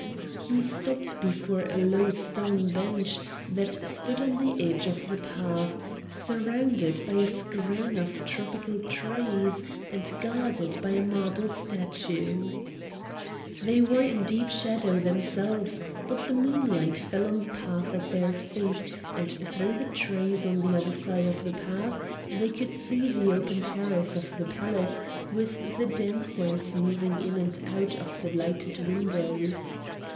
He stopped before a low stone bench that stood on the edge of the path, surrounded by a screen of tropical trees, and guarded by a marble statue. They were in deep shadow themselves, but the moonlight fell on the path at their feet, and through the trees on the other side of the path they could see the open terrace of the palace, with the dancers moving in and out of the lighted windows.